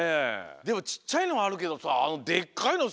でもちっちゃいのもあるけどさでっかいのすごいね。